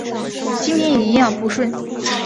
今天也一样不顺